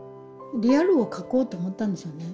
リアルを描こうと思ったんですよね。